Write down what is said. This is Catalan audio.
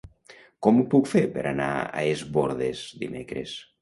Com ho puc fer per anar a Es Bòrdes dimecres?